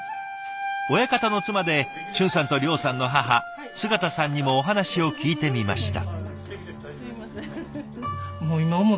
親方の妻で俊さんと諒さんの母姿さんにもお話を聞いてみました。